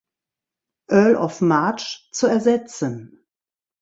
Earl of March zu ersetzen.